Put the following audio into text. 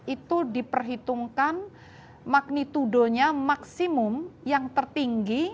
itu diperhitungkan magnitudonya maksimum yang tertinggi